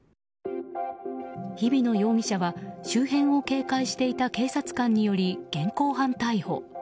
日比野容疑者は周辺を警戒していた警察官により現行犯逮捕。